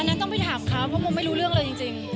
นั้นต้องไปถามเขาเพราะโมไม่รู้เรื่องเลยจริง